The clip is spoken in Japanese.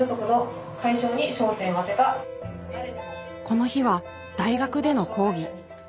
この日は大学での講義。